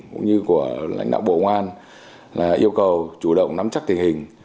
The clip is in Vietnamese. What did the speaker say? cũng như của lãnh đạo bộ ngoan là yêu cầu chủ động nắm chắc tình hình